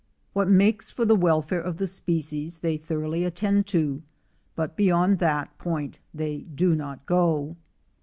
What makes for the welfare of the species they thoroughly attend to, but beyond that point they do not go.